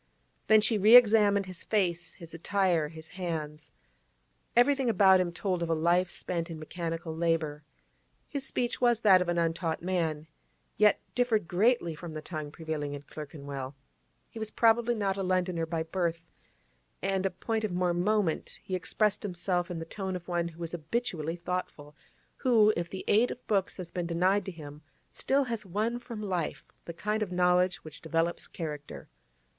Then she re examined his face, his attire, his hands. Everything about him told of a life spent in mechanical labour. His speech was that of an untaught man, yet differed greatly from the tongue prevailing in Clerkenwell; he was probably not a Londoner by birth, and—a point of more moment—he expressed himself in the tone of one who is habitually thoughtful, who, if the aid of books has been denied to him, still has won from life the kind of knowledge which develops character.